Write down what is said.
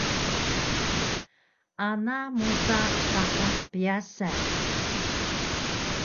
Ana musa sapah pyasan